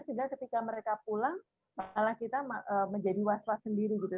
sehingga ketika mereka pulang malah kita menjadi was was sendiri gitu